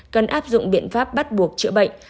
cần áp dụng biện pháp bắt buộc chữa bệnh